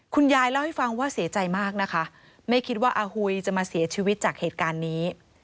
คุณยายเล่าให้ฟังว่าเสียใจมากนะคะไม่คิดว่าอาหุยจะมาเสียชีวิตจากเหตุการณ์นี้